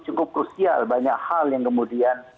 cukup krusial banyak hal yang kemudian